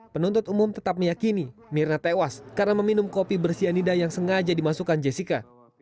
penuntut umum tetap meyakini mirna tewas karena meminum kopi bersianida yang sengaja dimasukkan jessica